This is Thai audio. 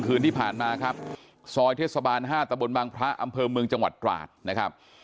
คืนที่ผ่านมาครับซอยเทศบาล๕ตะบนบางพระอำเภอเมืองจังหวัดตราดนะครับ